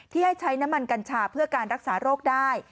ให้ใช้น้ำมันกัญชาเพื่อการรักษาโรคได้